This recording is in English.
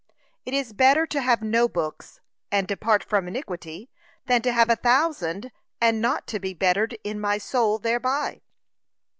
It is better to have no books, and depart from iniquity, than to have a thousand, and not to be bettered in my soul thereby.